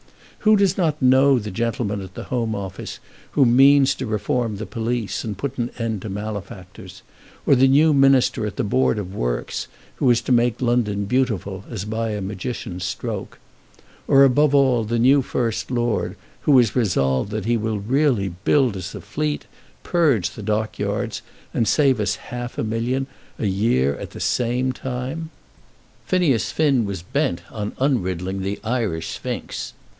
Who does not know the gentleman at the Home Office, who means to reform the police and put an end to malefactors; or the new Minister at the Board of Works, who is to make London beautiful as by a magician's stroke, or, above all, the new First Lord, who is resolved that he will really build us a fleet, purge the dock yards, and save us half a million a year at the same time? Phineas Finn was bent on unriddling the Irish sphinx.